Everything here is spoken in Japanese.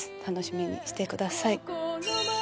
楽しみにしてください。